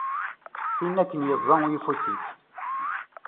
Tin akken yeẓẓa uyeffus-ik.